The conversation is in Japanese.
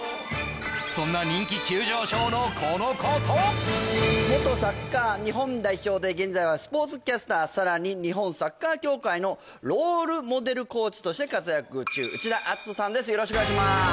そんな元サッカー日本代表で現在はスポーツキャスターさらに日本サッカー協会のロールモデルコーチとして活躍中内田篤人さんです